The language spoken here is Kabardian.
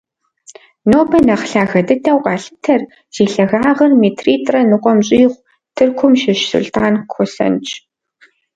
Нобэ нэхъ лъагэ дыдэу къалъытэр, зи лъагагъыр метритӏрэ ныкъуэм щӏигъу, Тыркум щыщ Сулътӏан Косэнщ.